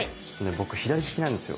僕左利きなんですよ。